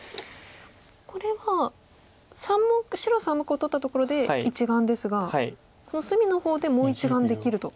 これは白３目を取ったところで１眼ですがこの隅の方でもう１眼できると。